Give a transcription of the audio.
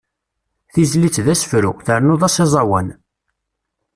Tizlit d asefru, ternuḍ-as aẓawan.